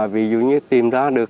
ví dụ như tìm ra được